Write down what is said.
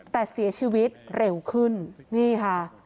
แต่เสียชีวิตเร็วขึ้นนี่ค่ะ